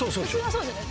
そうですよね。